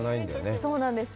そうなんですよ。